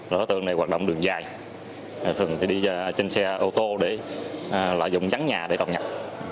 đó tượng này hoạt động đường dài thường thì đi trên xe ô tô để lợi dụng rắn nhà để đọc nhập